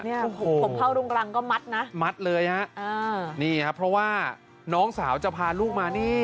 เนี่ยผมพ่อลุงกลางก็มัดนะมัดเลยฮะอ่านี่ฮะเพราะว่าน้องสาวจะพาลูกมานี่